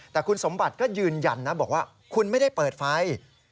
แต่คุณสมบัติก็ยืนยันนะบอกว่าคุณไม่ได้เปิดไฟ